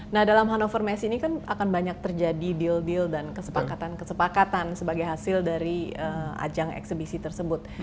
nah dalam hannover mess ini kan akan banyak terjadi deal deal dan kesepakatan kesepakatan sebagai hasil dari ajang eksebisi tersebut